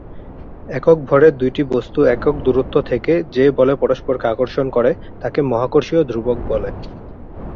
একক ভরের দুইটি বস্তু একক দুরত্ব থেকে যে বলে পরস্পরকে আকর্ষণ করে, তাকে মহাকর্ষীয় ধ্রুবক বলে।